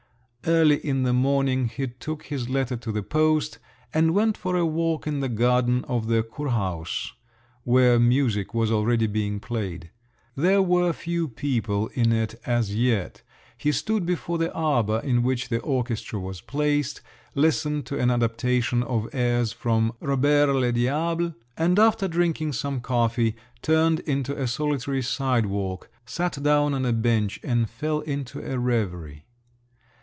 Early in the morning he took this letter to the post, and went for a walk in the garden of the Kurhaus, where music was already being played. There were few people in it as yet; he stood before the arbour in which the orchestra was placed, listened to an adaptation of airs from "Robert le Diable," and after drinking some coffee, turned into a solitary side walk, sat down on a bench, and fell into a reverie.